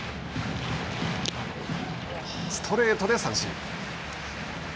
ストレートで三振。